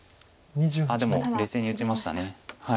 あっでも冷静に打ちました。